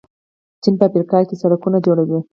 چین په افریقا کې سړکونه جوړوي.